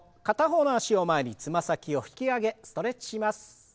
片方の脚を前につま先を引き上げストレッチします。